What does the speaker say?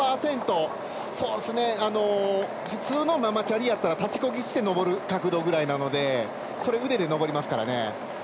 普通のママチャリやったら立ちこぎして上る角度ぐらいなのでそれを腕で上りますからね。